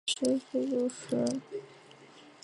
其实这就是西方雕刻之古典性规范的所在。